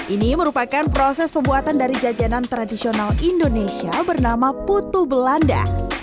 ini merupakan proses pembuatan dari jajanan tradisional indonesia bernama putu belanda